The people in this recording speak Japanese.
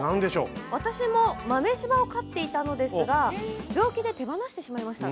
私も豆しばを飼っていたんですが病気で手放してしまいました。